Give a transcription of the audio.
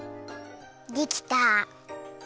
できた！